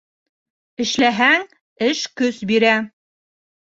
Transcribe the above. Эшләһәң, эш көс бирә.